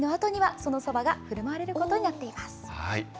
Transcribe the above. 供養祭のあとにはそのそばがふるまわれることになっています。